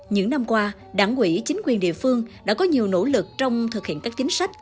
những năm qua đảng quỹ chính quyền địa phương đã có nhiều nỗ lực trong thực hiện các chính sách